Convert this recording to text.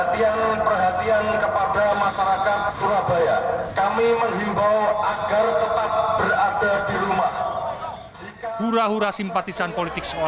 perhatian perhatian kepada masyarakat surabaya